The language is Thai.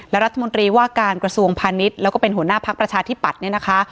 และรัฐมนตรีว่าการกระทรวงพาณิชย์แล้วก็เป็นหัวหน้าพักประชาธิปัตย์เนี่ยนะคะ